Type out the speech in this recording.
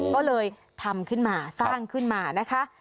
ก็เลยทำขึ้นมาสร้างขึ้นมานะคะ